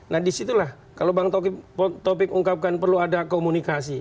nah disitulah kalau bang taufik ungkapkan perlu ada komunikasi